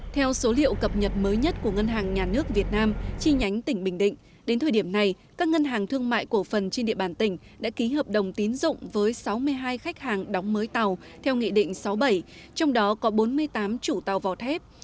theo số liệu cập nhật mới nhất của ngân hàng nhà nước việt nam chi nhánh tỉnh bình định đến thời điểm này các ngân hàng thương mại cổ phần trên địa bàn tỉnh đã ký hợp đồng tín dụng với sáu mươi hai khách hàng đóng mới tàu theo nghị định sáu mươi bảy trong đó có bốn mươi tám chủ tàu vỏ thép